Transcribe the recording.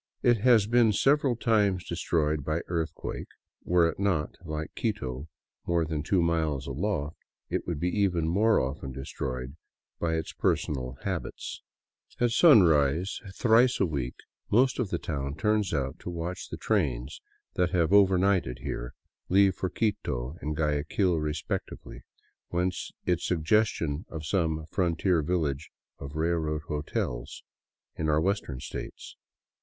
It has been several times destroyed by earthquake ; were it not, like Quito, more than two miles aloft, it would be even more often destroyed by its personal habits. At sunrise thrice a week most of the town turns out to watch the trains that have " overnighted " here leave for Quito and Guayaquil respectively; whence its suggestion of some frontier village of railroad hotels in our Western states.